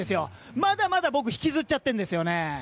まだまだ僕引きずっちゃってるんですよね。